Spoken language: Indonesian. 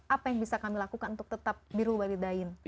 apa yang bisa kami lakukan untuk tetap birul badidain